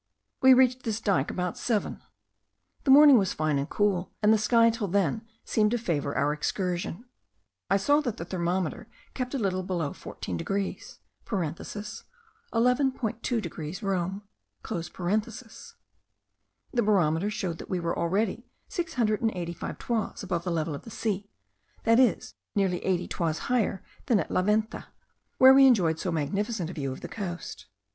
We reached this dyke about seven. The morning was fine and cool, and the sky till then seemed to favour our excursion. I saw that the thermometer kept a little below 14 degrees (11.2 degrees Reaum.). The barometer showed that we were already six hundred and eighty five toises above the level of the sea, that is, nearly eighty toises higher than at the Venta, where we enjoyed so magnificent a view of the coast.